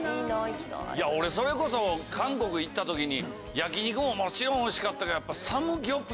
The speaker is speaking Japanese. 俺それこそ韓国行った時に焼き肉ももちろんおいしかったけど。